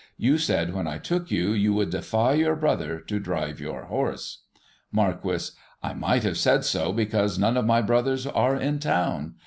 You said, when I took you, you would defy your brother to drive your horse. Marquis : I might have said so because none of my brothers are in town.